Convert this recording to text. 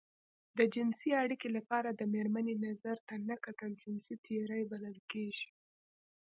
د جنسي اړيکې لپاره د مېرمنې نظر ته نه کتل جنسي تېری بلل کېږي.